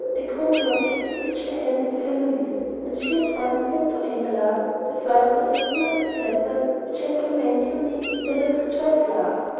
A copy of it reached the hands of Heloise, and she at once sent to Abelard the first of a series of letters which have remained unique in the literature of love.